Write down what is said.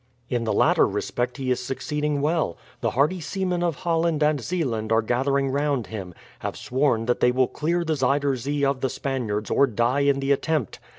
"In the latter respect he is succeeding well. The hardy seamen of Holland and Zeeland are gathering round him, have sworn that they will clear the Zuider Zee of the Spaniards or die in the attempt.